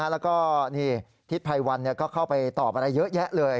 แล้วก็ทิศภัยวันก็เข้าไปตอบอะไรเยอะแยะเลย